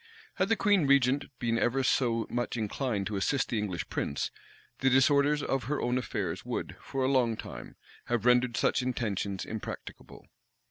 Had the queen regent been ever so much inclined to assist the English prince, the disorders of her own affairs would, for a long time, have rendered such intentions impracticable.